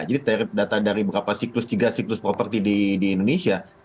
jadi dari data dari berapa siklus tiga siklus properti di indonesia